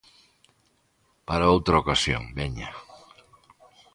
Para outra ocasión, veña.